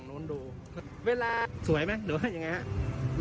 สวยมั้ยหรือว่าอย่างไรนะครับ